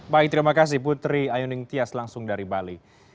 baik terima kasih putri ayuning tias langsung dari bali